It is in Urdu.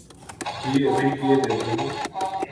جی ابھی کیئے دیتا ہو